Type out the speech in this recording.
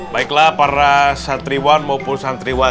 baiklah para santriwan maupun santriwati